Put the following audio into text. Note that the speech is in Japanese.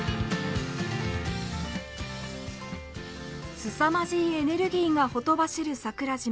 すさまじいエネルギーがほとばしる桜島。